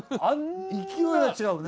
勢いが違うね。